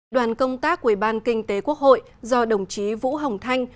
đoàn công tác của ủy ban kinh tế quốc hội do đồng chí vũ hồng thanh